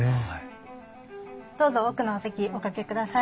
どうぞ奥のお席お掛けください。